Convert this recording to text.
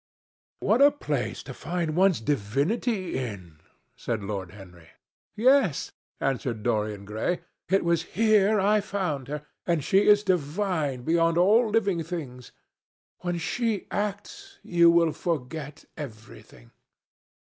"What a place to find one's divinity in!" said Lord Henry. "Yes!" answered Dorian Gray. "It was here I found her, and she is divine beyond all living things. When she acts, you will forget everything.